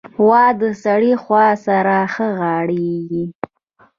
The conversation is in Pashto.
غوا د سړې هوا سره ښه عیارېږي.